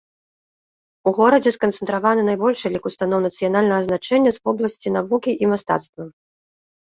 У горадзе сканцэнтраваны найбольшы лік устаноў нацыянальнага значэння з вобласці навукі і мастацтва.